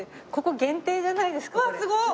うわっすごっ！